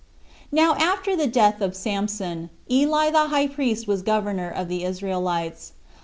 1. Now after the death of Samson, Eli the high priest was governor of the Israelites.